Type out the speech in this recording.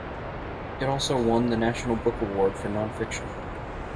It also won the National Book Award for Nonfiction.